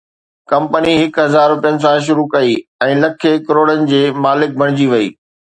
company هڪ هزار روپين سان شروع ڪئي ۽ لکين ڪروڙن جي مالڪ بڻجي وئي